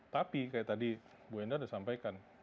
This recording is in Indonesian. tapi seperti tadi mbak endah sudah sampaikan